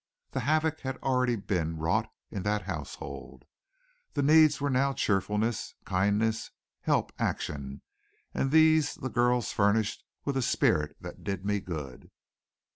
The havoc had already been wrought in that household. The needs now were cheerfulness, kindness, help, action, and these the girls furnished with a spirit that did me good.